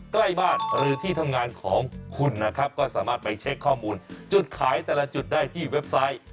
ใกล้บ้านหรือที่ทำงานของคุณนะครับก็สามารถไปเช็คข้อมูลจุดขายแต่ละจุดได้ที่เว็บไซต์